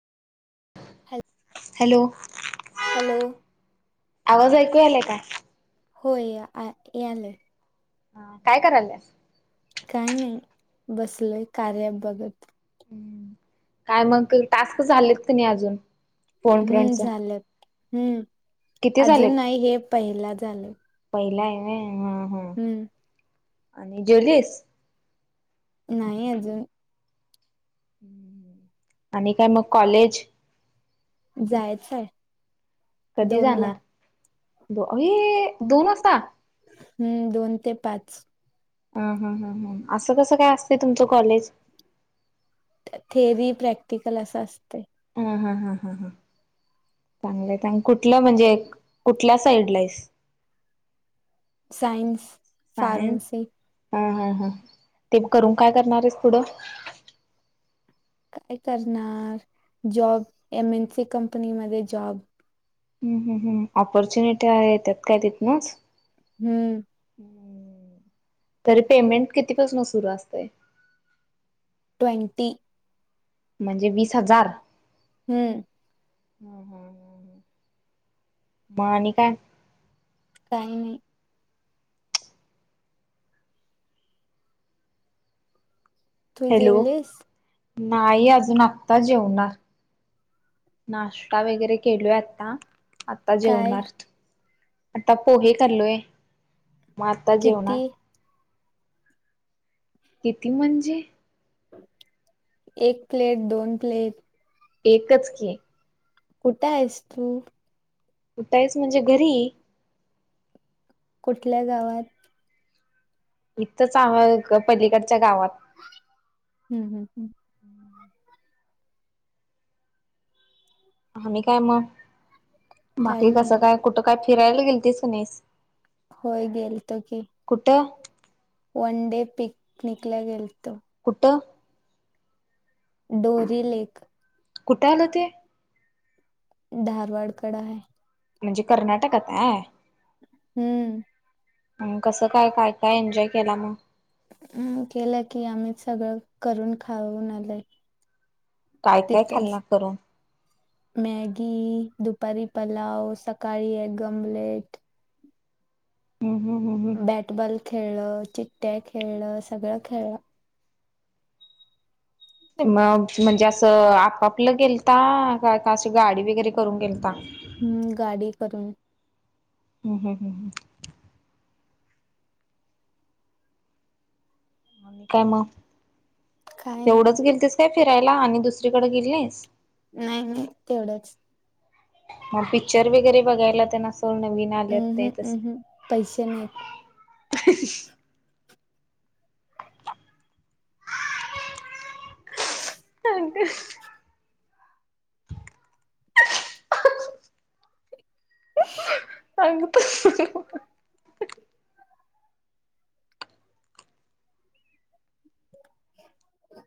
Hello hello आवाज ऐकू आलाय का हो याले हा काय करालस काही नाही बसलय कार्या बघत ् काय मग टास्क झालेत क नाही अजून फोन हम्म फ्रेंडच झालं हम्म किती झालेत? अजून नाही हे पहिला झालं पहिला आहे व्हय हा हा हम्म आणि जेवलीस नाही अजून आणि काय मग कॉलेज जायचय. कधी जाणार हे हे अ दोन वासता. हम्म दोन ते पाच. हा हा ह ह असं कसं काय असते? तुमचं कॉलेज. थेअरी. प्रॅक्टिकल असं असतय. हा हा हा हा... चांगलं आहे. चांगलं कुठलं म्हणजे, कुठल्या साईडला आहेस? सायन्स. Science pharmacy. हा हा हा ते करून काय करणार आहेस? पुढं. काय करणार, job. M N C company मध्ये जॉब. हम् हम् हम्म आपॉर्च्युनिटी येतात काय,? तिथनच. हम्म. तरी पेमेंट कितीपासून सुरू असतय.? ट्वेंटी. म्हणजे वीस हज्जार. हम्म. हम ह ह ह मआणि काय? काही नाही. तु हॅलो जेवलीस.? नाही अजून, आत्ता जेवणार. नाश्ता वगैरे केलोय आत्ता. आता काय जेवणार. आता पोहे खाललोय. म आता किती जेवणार. किती म्हणजे? एक प्लेट, दोन प्लेट. एकच की. कुठ आहेस तू? कुठ हायस म्हणजे? घरी. कुठल्या गावात? इथच आवक पलीकड. हम्म हम्म हम्म. आणि काय म, काही बाकी नाही. कसं काय, कुठं काय, फिरायला गेलतीस का नाहीस? होय गेलतो की. कुठं वन डे पिकनिक ला गेलतो. कुठ? डोरी लेक. कुठे आलं ते? धारवाड कड आहे. म्हणजे कर्नाटकात आय. हम्म. अ कसं काय, काय- काय, एन्जॉय केला मग. हम्. केलं की, आम्ही सगळं करून, खाऊन, आलय. काय काय खाल्ला तिथच करून मॅगी, दुप... परी पलाव, सकाळी एग आमलेट. हम्म हम्म हम्म बॅटबॉल खेळलं, चिट्ट्या खेळलं, सगळं खेळलं. मग म्हणजे असं आपआप.. आपलं गेलता का, अशी गाडी वगैरे करून गेलता? हम्म. गाडी करून. हुं हुं.. काय मग, काय नाही. तेवढंच गेलतेस. ते फिरायला आणि दुसरीकडे गेली नाहीस. नाही नाही तेवढंच. मग पिक्चर वगैरे बघायला तेन अस. कोण नवीन आल्यात अहं ते तस. अहं पैसे नाही [inaudible] आग तस नव्ह [inaudible]